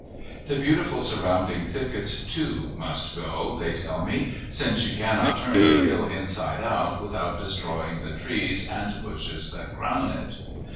The beautiful surrounding thickets, too, must go, they tell me, since you cannot turn the hill inside out without destroying the trees and bushes that crown it.